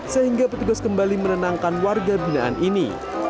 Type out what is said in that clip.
sehingga petugas kembali menenangkan warga binaan ini